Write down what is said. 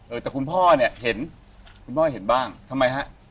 แต่คุณพ่อเนี่ยเห็นคุณพ่อเห็นบ้างทำไมฮะ